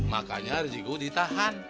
makanya rezeki gue ditahan